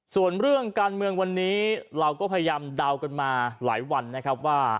ส่วนเรื่องการเมืองวันนี้เราก็พยายามเดากันมาหลายวันนะครับว่า